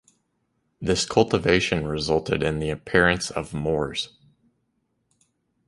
This cultivation resulted in the appearance of moors.